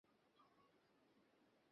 এটা বিয়ে বলতে পারো না।